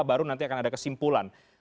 baru nanti akan ada kesimpulan